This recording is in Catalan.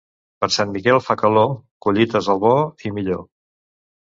Si per Sant Miquel fa calor, collites al bo i millor.